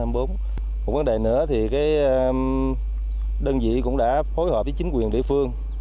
một vấn đề nữa thì đơn vị cũng đã phối hợp với chính quyền địa phương